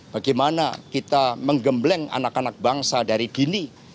bagaimana kita menggembleng anak anak bangsa dari gini